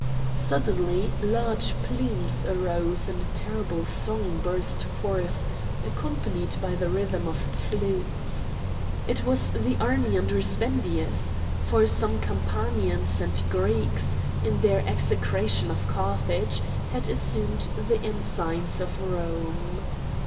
Suddenly large plumes arose and a terrible song burst forth, accompanied by the rhythm of flutes. It was the army under Spendius; for some Campanians and Greeks, in their execration of Carthage, had assumed the ensigns of Rome.